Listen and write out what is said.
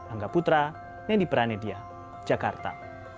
angga putra neni pranidya jakarta